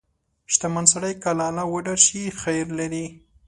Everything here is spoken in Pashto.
• شتمن سړی که له الله وډار شي، خیر لري.